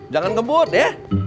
jangan ngebut ya